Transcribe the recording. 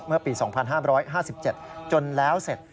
เมื่อปี๒๕๕๗จนแล้วเสร็จ